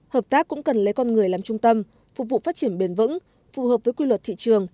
hợp tác cũng cần lấy con người làm trung tâm phục vụ phát triển bền vững phù hợp với quy luật thị trường